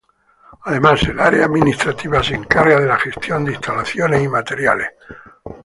Además, el Área Administrativa se encarga de la gestión de instalaciones y materiales.